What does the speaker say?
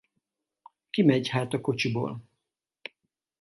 Kimegy hát a kocsiból.